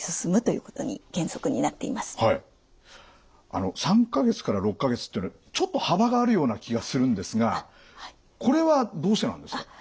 あの３か月から６か月っていうのはちょっと幅があるような気がするんですがこれはどうしてなんですか？